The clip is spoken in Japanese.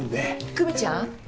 久実ちゃん